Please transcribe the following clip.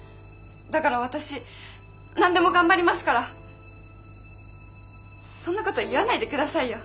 だから私何でも頑張りますからそんなこと言わないでくださいよ。